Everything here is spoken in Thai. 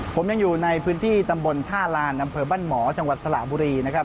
ผมยังอยู่ในพื้นที่ตำบลท่าลานอำเภอบ้านหมอจังหวัดสระบุรีนะครับ